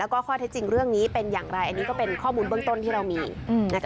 แล้วก็ข้อเท็จจริงเรื่องนี้เป็นอย่างไรอันนี้ก็เป็นข้อมูลเบื้องต้นที่เรามี